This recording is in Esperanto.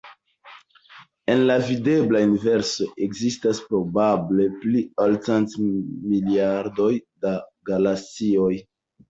En la videbla universo ekzistas probable pli ol cent miliardoj da galaksioj.